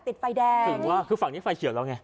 ถึงว่าคือฝั่งนี้ไฟเฉียบแล้วไง